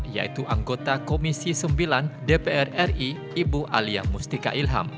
yaitu anggota komisi sembilan dpr ri ibu alia mustika ilham